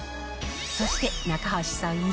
そして中橋さん